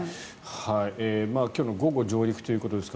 今日の午後上陸ということですが